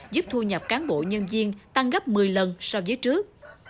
giúp thu nhập cán bộ nhân viên tăng gấp một mươi lần so với trước